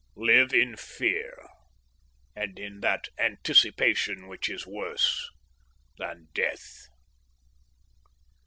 Live in fear, and in that anticipation which is worse than death."